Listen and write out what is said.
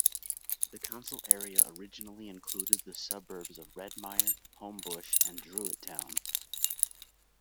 The Council area originally included the suburbs of Redmire, Homebush and Druitt Town.